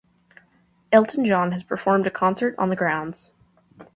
Elton John has performed a concert on the grounds.